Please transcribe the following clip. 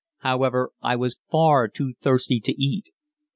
However, I was far too thirsty to eat.